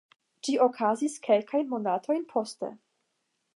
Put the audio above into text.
Ĝi okazis kelkajn monatojn poste.